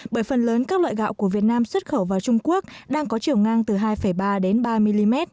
bởi phần lớn các loại gạo của việt nam xuất khẩu vào trung quốc đang có chiều ngang từ hai ba đến ba mm